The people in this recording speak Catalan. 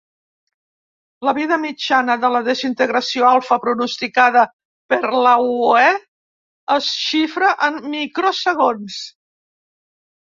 La vida mitjana de la desintegració alfa pronosticada per a l'Uue es xifra en microsegons.